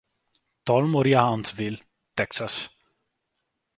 Tull morì a Huntsville, Texas.